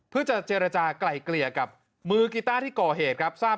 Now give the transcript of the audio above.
เพื่อจะเจรจากลายเกลี่ยกับมือกีต้าที่ก่อเหตุครับทราบ